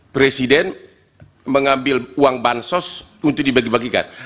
presiden mengambil uang bansos untuk dibagi bagikan